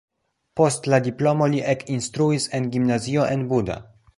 Post la diplomo li ekinstruis en gimnazio en Buda.